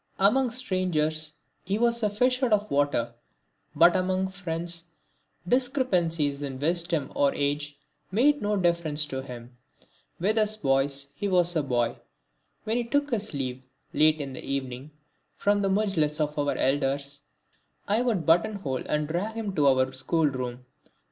Among strangers he was as a fish out of water, but among friends discrepancies in wisdom or age made no difference to him. With us boys he was a boy. When he took his leave, late in the evening, from the mujlis of our elders, I would buttonhole and drag him to our school room.